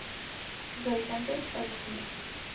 Sus habitantes, hoy en día.